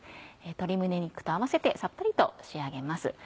鶏胸肉と合わせてさっぱりと仕上げます。